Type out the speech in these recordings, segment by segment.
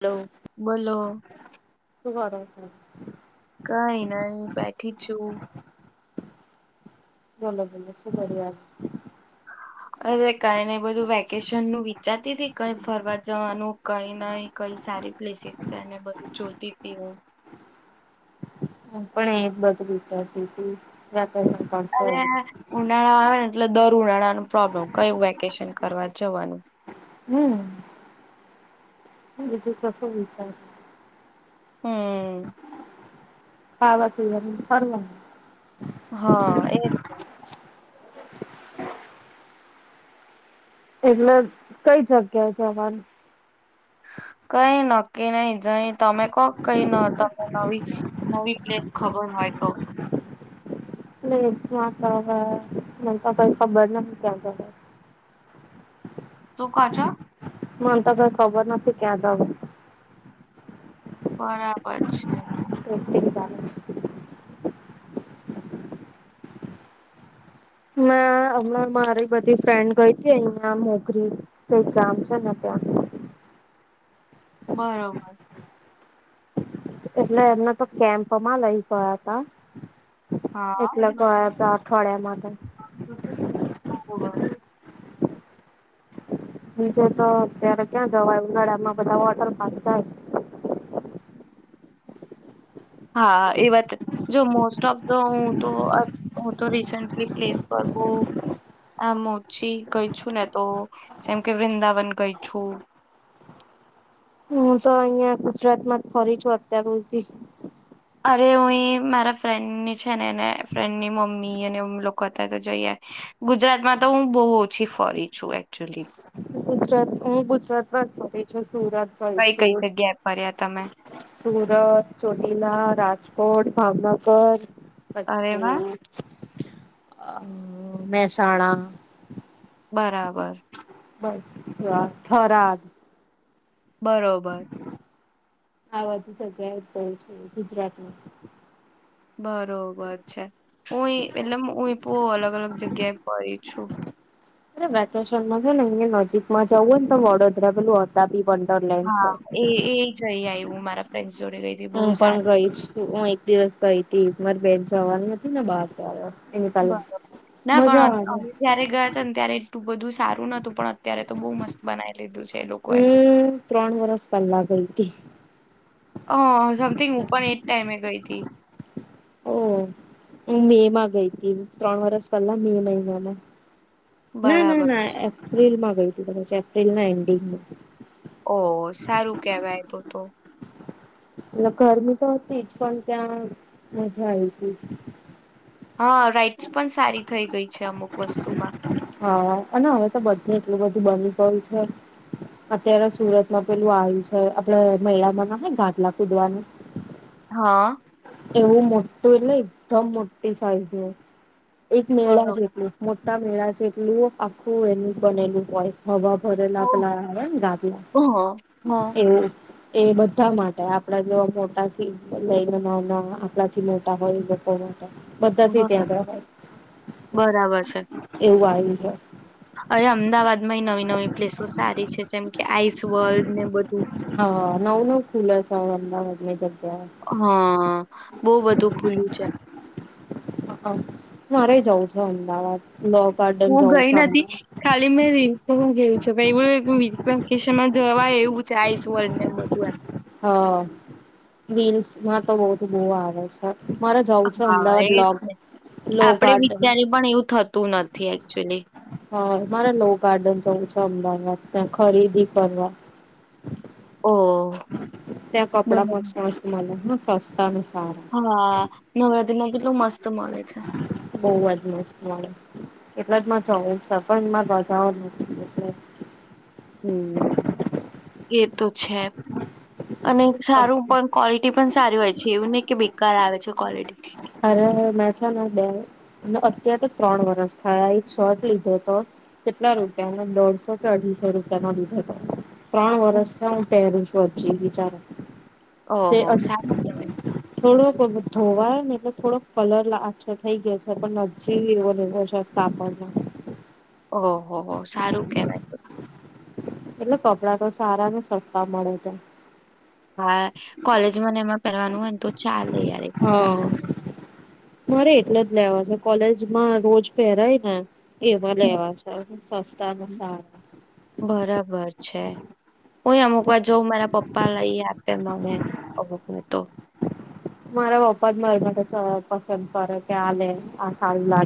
Hello. બોલો સુ કરો? છો? કઈ નઈ, બેઠી છું. બોલો બોલો સુ કરીએ? અરે કઈને બધું વેકેશન નું વિચારતી તી કઈ ફરવા જવાનું કઈ નઈ કઈ સારી પ્લેસીસ અને બધું જોતી તી હું. હું પણ એ જ બધું વિચારતી તી. વેકેશન પડશે અરે હવે. ઉનાળા આવે ને એટલે દર ઉનાણા નું પ્રોબ્લેમ, કયું વેકેશન કરવા જવાનું. હમ્મ. બીજું કસું વિચાર હમ્મ્મ. ખાવા, પીવાનું ન ફરવાનું. હ, એજ તો. એટલે કઈ જગ્યાએ જવાનું? કઈ નક્કી નહી જઈ તમે કોક કઈ ન તમને નવી નવી પ્લેસ ખબર હોય તો? પ્લેસ માં તો હ મન તો કઈ ખબર નહીં ક્યાં જવાય. તું કા છો? મન તો કઈ ખબર નથી ક્યાં જઉ. બરાબર છે. [unintelligible] મે હમણાં મારી બધી ફ્રેન્ડ ગઈ તી અહિયા મોગરી કઈ ગામ છે ને ત્યાં. બરોબર. એટલે એમને તો કેમ્પમાં લઈ ગયા તા. હા એટલે તો એતો અઠવાડિયા માંટે. [unintelligible] બીજે તો અત્યારે ક્યાં જવાય, ઉનાળામાં બધા વોટર પાર્ક જાય. હા એ વાત જો મોસ્ટ ઓફ ધ હું તો અ હું તો રિસન્ટલી પ્લેસ પર બો એમ ઓછી ગઈ છું ને તો, જેમ કે વૃંદાવન ગઈ છું. હું તો અહિયાં ગુજરાત માં જ ફરી છું અત્યાર હુધી. અરે હું એ મારા ફ્રેન્ડની છે ને એને ફ્રેન્ડની મમ્મી અને લોકો હતા તો જઈ, ગુજરાતમાં તો હું બહુ ઓછી ફરી છું એકચુલી. ગુજરાત હું ગુજરાતમાં જ ફરી છું. સુરત, કઈ કઈ વલચુડ, જગ્યાએ ફર્યા તમે સુરત, ચોટીલા, રાજકોટ. ભાવનગર. અરે વાહ પચ્છી અ મહેસાણા. બરાબર. બસ અ થરાજ. બરોબર. આ બધી જગ્યાએ જ ગય છે ગુજરાતનું. બરોબર છે હું એતલ. બહ અલગ અલગ જગ્યાએ પડી છું. અરે વેકેશનમાં છે ને અયા નજીકમાં જવું ને તો વડોદરા પેલું હતા બી બન. હા એ એ જઈ આવું મારા. ફ્રેન્ડ્સ જોડે ગઈ હતી બહુ હું પણ સારું છે રહી છ હું એક દિવસ ગઈ હતી. મારી બેન જવાની નથી ને બહાર ક આવવા. બરોબર ના પણ અમે જયારે ગયા હતા ને ત્યારે એટલું બધું સારું નતું પણ અત્યારે. તો બઉુ મસ્ત બનાવી લીધું છે. એ લોકોએ હમ ત્રણ વરસ પહેલા ગઈ હતી. અ સમથિંગ હું પણ એજ ટાઈમે ગઈ હતીી. ઓ હ મે માં ગઈ હતી ત્રણ વરસ પહેલા મે મહિનામાં. ના ના બરાબર ના રીલમાં ગય. પ એપ્રિલ ના એન્ડિંગ. ઓ સારું કેહેવાય તો તો. એ ગરમી તો હતી જ પણ ત્યાં મજા આવી હતી. હા રાઈટસ પણ સારી થઈ ગઈ છે અમુક વસ્તુમાં. હા અને હવે તો બધું એટલું બધું બની ગયું છે અત્યારે સુરતમાં પેલું આવ્યું છે આપડ મહળમાં ના ઘાટલા કુદવાનું. હા. એવું મોટું એટલે એકદમ મોટી સાઈઝ. એક મેળા બરોબર છેટલો મો. મેળા જેટલું આખું એનું બનેલું હોય હવા. બરેલા ઓ પલા ગાભલા હ હ એવું. એ બધા માટે આપડા જોવા મોટાથી લઈને. આપડા થી મોટા હોય લોકો. બધાથી ત્યાં ગય બરાબર બરાબર છે એવું આવ્યું. હ. અરે અમદાવાદમાં નવી નવી પ્લેસો સારી છે જેમ કે આઈસ વર્લ્ડ ને બધ. હા નવ ન ખુલા સ એમના વધને જગ્યા. હા બહુ બધું ખુલ્યું છે મારે જઉં છો અમદાવાદ. લો ગાર્ડન હું જવું ગઈ છે નથી અમદાવાદ ખાલી મેં રી હું ગય. ભાઈ એવશમાં જવાય એવું છે આઈસ વર્લ્ડબન. હ વિલ્સમાં તો બહ બુ આવે છે. મારે જવું છે હા અમદાવાદ એ જ લોક ને લો આપડે ગાર્ડન વિચારી પણ એવું થતું નથી એકચુલી હ મારે લો ગાર્ડન જવું છે અમદાવાદ. ત્યા ખરીદી કરવા. હમ. ત્યાં કપડામાં સરસ મળે હ સસ્તા ને સારા હા નવરાત્રી નું કેટલું મસ્ત. તો મળે છે. બઉ જ મસ્ત મળે એટલે જ મારે જવું પણ મારે રાજોજ નથી હમ્મ એ તો છે અને સારું પણ ક્વોલિટી પણ સારી હોય છે એવું નહી કે. [unintelligible] આવે છે કવલિટી. અરે મે છે ને બે અત્યારે તો ત્રણ વરસ થયા એક શર્ટ લીધો હતો કેટલા રૂપિયાને દોઢસો કે અઢીસો રૂપિયા નો લીધો હતો. ત્રણ વર્ષ હું પહેરું છું. પછી વિચારો ઓ હો સારું છે. થોડું [unintelligible] જોવાનું ને એટલે થોડો કલર આછો થઈ ગયો છે પણ નજી એવો એવો છે કાપડનો. ઓહ હો સારું કેવાય. એટલે કપડાં તો સારા ને સસ્તા મળે છે. હા કોલેજમાંને એમાં પહેરવાનું હોય તો ચાલે. યાર એક હ. વાર મારે એટલે જ લેવા છે કોલેજમાં રોજ પહેરાય ને. એવા લેવા છે સસ્તા ને હમ. સારા. બરાબર છે. અમુક વાર જઉં મારા પપ્પા. પપ્પા લય આપે મને [unintelligible] તો મારા પપ્પા મારી માટે પસંદ કરે કે આલે.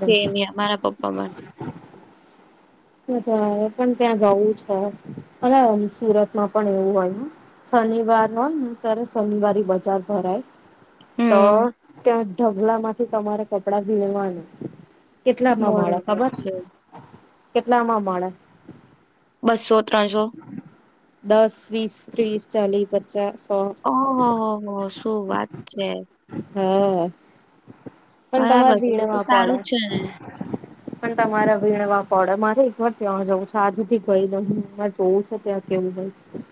સેમ અહીંયા મારા પપ્પામાં. મારે પણ પણ ત્યાં જવું છે અ સુરતમાં પણ એવું હોય હ શનિવાર હોયને ત્યારે શનિવારી બજાર ભરાય. તો હમ ત્યા. ઢગલા માંથી તમારે કપડા વીણવાના કેટલા માં મળે બરોબર ખબર. છે કેટલામાં મળે બસો ત્રણસો. દસ વીસ ત્રીસ ચાલીસ પચાસ. સો ઓહ હો હો શું વાત છે. હા. પણ બરાબર તમારે છે તો વીણવા પડે સારું જ છે ને. પણ તમારે વીણવા પડે મારે ઘર ત્યાં જવું છે આજધી ગઈ નઉરે જોવું છે ત્યાં કેવું હોય છે.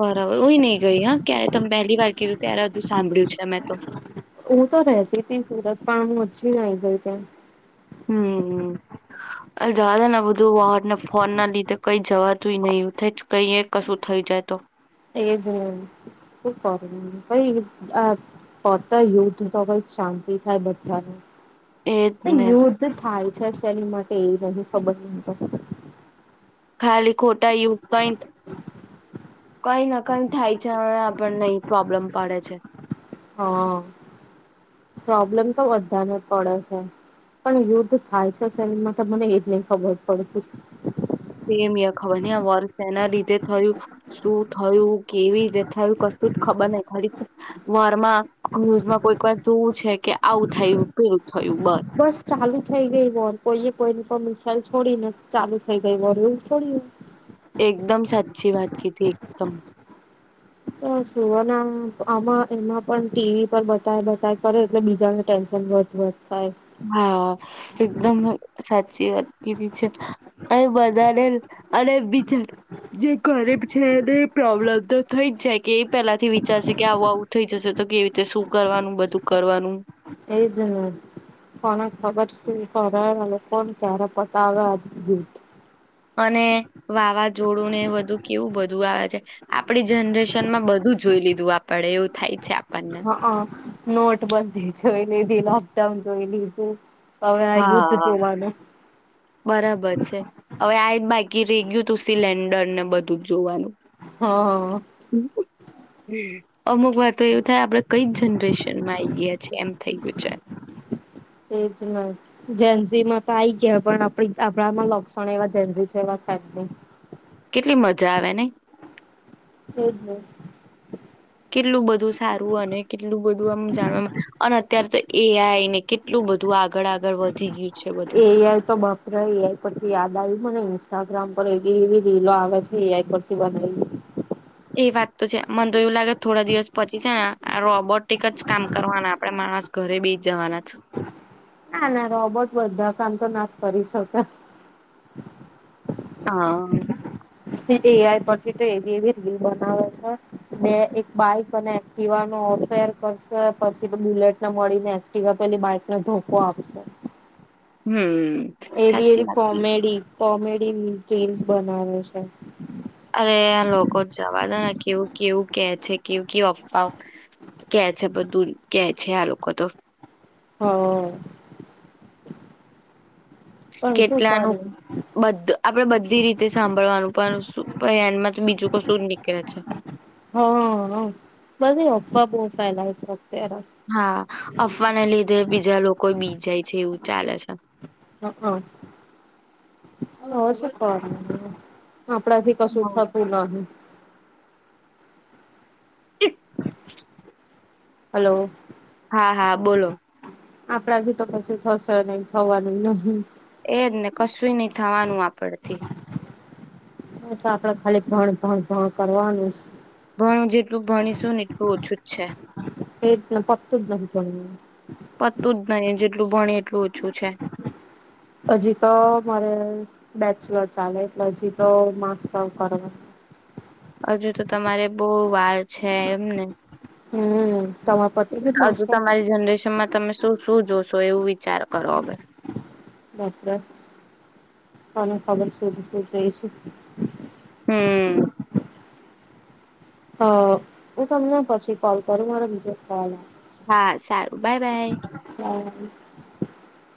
બરાબર હુએ નહી ગઈ હા ક્યારે તમે પહેલી વાર કીધું ત્યારે બધું સાંભળ્યું છે મે તો. પાણ ઓછી નાઈ ગઈ ત્યાં હમ્મ હમ્મ હવ રવા દે ને બધું વોડ ને ફોન ના લીધે કઈ જવા તુંઈ નહી ઉ થે એજ ને. હું કરું હું. કઈ અહ પતે યુદ્ધ તો કઈ શાંતિ થાય બધાને. એજ અહ ને યુદ્ધ થાય છે શેલીમાં તે નહી ખબર નહીં તો. ખાલી ખોટા યું પોઇન્ટ કઈ ન કઈ થાય છે અને આપણને પ્રોબ્લેમ પાડે છે. હા, પ્રોબ્લેમ તો બધાને પડે છે. પણ યુદ્ધ થાય છે એની માટે મને એજ નહી ખબર પડતી. સેમ યહ ખબર નહીં આ વોર સેના લીધે થયું. શું થયું કેવી રીતે થયું કશું જ ખબર નહીં. ખાલી વારમાં ન્યૂઝમાં કોઈક વાર જોવું છે કે આવું થયું કેું બસ ચાલુ થઇ ગઈ વોર. કોઈએ કોઈ ની પણ મિસઇલ થોડી ને ચાલુ થઈ ગઈ વોર એવું થોડી હોય. એકદમ સાચી વાત કીધી એકદમ. અહ સુવાના આમાં એમાં પણ ટીવી પર બતાય બતાય કરે એટલે બીજાને ટેન્શન વધ વધ થાય. હા એકદમ સાચી વાત કીધી છે. અને બધાને અને બિચારા જે ઘરે છે એને પ્રોબ્લેમ તો થઈ જ જાય કે એ પેલાથી વિચારશે કે આવું આવું થઈ જશે તો કેવી રીતે શું કરવાનું બધું કરવાનું એ જ કોને ખબર શું કરે અને કોણ ક્યારે પતાવે આ ગિલ્ટ અને વાવાઝોડું ને બધું કેવું બધું આવે છે આપડી જનરેશન માં બધું જોઈ લીધું આપડે એવું થાય છે આપ હઅ નોટ બંધી છે. યેભી લોકડાઉન જોયેલી છે. હા બરાબર છે. હવે આ જ બા કી રહી ગયું તું સિલેન્ડર ને બધું જ જોવાનું. હા અમુક વાર તો એવું થાય આપડે કઈ જનરેશન માં આઈ ગયા છે એમ થઈ ગયું. છે. એજ ન જેનજી માં તો આઈ ગયા પણ આપડે આપણામાં લક્ષણ એવા જેનજી જેવા છેજ નહીં. કેટલી મજા આવે નહીં. એજ ને. કેટલું બધું સારું અને કેટલું બધું આમ જાણવા અને અત્યારે તો એ આઈ ને કેટલું બધું આગળ આગળ વધી ગયું. છે બધી એ આઈ તો બાપરે એ આઈ પરથી યાદ આવ્યું મને ઇન્સ્ટાગ્રામ હવે એવી-એવી લીલો આવે છે એ આઈ પરથી બનાલી. એ વાત તો છે. મને તો એવું લાગે થોડા દિવસ પછી છે ને, આ રોબોટિક જ કામ કરવાના આપણેે માણસ ઘરે બેય જવાના છે. ના ના રોબોટ બધા કામ તો ના જ કરી શકે. હા. ફિર એ આઈ પરથી તો એવી એવી રીલ બનાવે છે. બે એક બાઈક અને એક્ટિવા નો અફેર કરશે. પછી બુલેટને મળીને એક્ટિવા પેલી બાઈકને ધોકો આપશે. હમ્મ. એવી એવી કોમેડી કોમેડી રી-રીલ્સ બનાવે છે. અરે, આ લોકો જવા ના કેવું કેવું કે છે. કેવું કેવું અફવા કે છે બધું કે છે આ લોકો તો. હ અ. કેટલાનું બધ આપડે બધી રીતે સાંભળવાનું પણન [unintelligible] બીજું કશું નીકળે છે. હા.. અ.. બધે અફવા બહ ફેલાય છે. અત્યારે હા. અફવાને લીધે બીજા લોકો બી જાય છે એવું. ચાલે છે. હ.. હ.. હોજ કો [unintelligible] આપણાથી કશું થતુ નહી. હ [unintelligible] હલો. હા-હા બોલો. આપણાથી તો પછી થશે નહી, થવાનું નહિ. એજ ને કશું નહિ થવાનું આપડથી અચછા [unintelligible] આપડે ખાલી ભણ ભણ ભણ કરવાનું જ. ભણ જેટલું ભણીશું ને એટલું ઓછું જ છે. એટ પત જ [inaudible] એટલું [unintelligible] ભણી એટલું ઓછું છે. હજી તો મારે બેચલર ચાલે, હજી તો માસ્ટર કરવા હજુ તો, તમારે બહુ વાર છે એમને. હમ.. તમારે પતી ગયું હજુ માસ્ટર તમારી જનરેશન માં તમે શું-શું જોશો [unintelligible] એવું વિચાર કરો હવે. બ [unintelligible] તને ખબર શધી [unintelligible] શું જઈશું હમ.. હ.. હું તમને પછી કોલ કરું મારે બીજે કોલ હા. સારું બાય-બાય. હ [unintelligible]